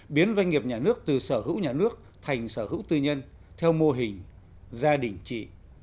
biến doanh nghiệp nhà nước từ sở hữu nhà nước thành sở hữu tư nhân theo mô hình gia đình chỉ